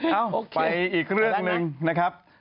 เอ้าไปอีกเรื่องหนึ่งนะครับ